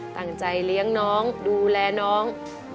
ตั้งใจเลี้ยงน้องดูแลน้อง